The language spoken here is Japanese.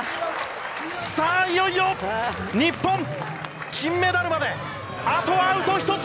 いよいよ、日本金メダルまであとアウト１つ！